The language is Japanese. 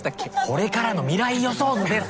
これからの未来予想図です。